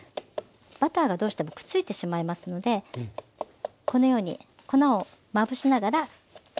バターがどうしてもくっついてしまいますのでこのように粉をまぶしながら刻んでいきます。